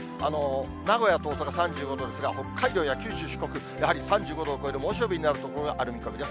名古屋と大阪３５度ですが、北海道や九州、四国、やはり３５度を超える猛暑日になる所がある見込みです。